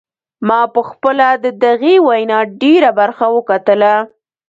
ما پخپله د دغې وینا ډیره برخه وکتله.